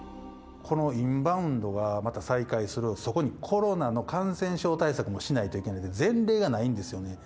このインバウンドがまた再開する、そこにコロナの感染症対策もしないといけないっていう、前例がないんですよね。